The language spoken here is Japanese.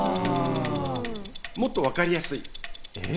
もっとわかりやすい。